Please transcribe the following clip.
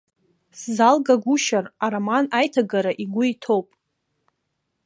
Сзалгагәышьар, ароман аиҭагара игәы иҭоуп.